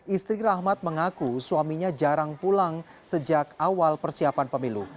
istri rahmat mengaku suaminya jarang pulang sejak awal persiapan pemilu